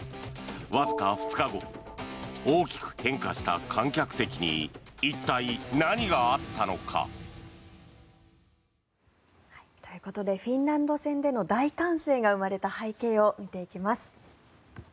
わずか２日後大きく変化した観客席に一体何があったのか。ということでフィンランド戦での大歓声が生まれた背景を見ていきます。